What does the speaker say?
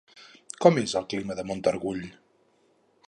Com és el clima de Montargull?